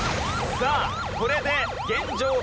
さあこれで現状